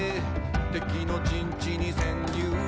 「敵の陣地に潜入」